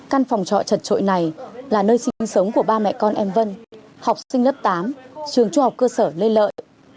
căn phòng trọ chật trội này là nơi sinh sống của ba mẹ con em vân học sinh lớp tám trường trung học cơ sở lê lợi